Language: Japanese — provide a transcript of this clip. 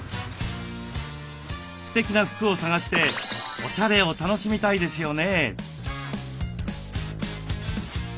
すてきな服を探しておしゃれを楽しみたいですよね。